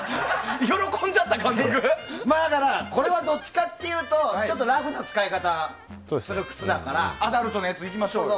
これはどっちかっていうとちょっとラフな使い方するアダルトなやついきましょうよ！